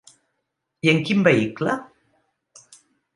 I en quin "veïcle"?